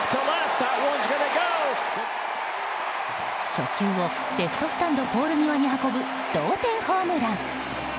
初球をレフトスタンドポール際に運ぶ同点ホームラン！